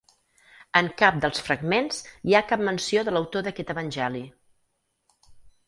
En cap dels fragments hi ha cap menció de l'autor d'aquest evangeli.